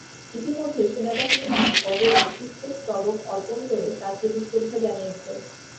ইতিমধ্যে সেনাবাহিনী তার কবরে পুষ্পস্তবক অর্পণ করে তার প্রতি শ্রদ্ধা জানিয়েছে।